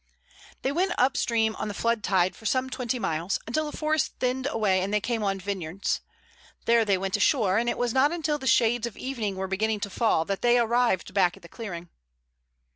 They went up stream on the flood tide for some twenty miles, until the forest thinned away and they came on vineyards. There they went ashore, and it was not until the shades of evening were beginning to fall that they arrived back at the clearing.